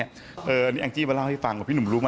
อังจรี่มาเล่าให้ฟังอ๋อพี่หนุ่มรู้มั้ย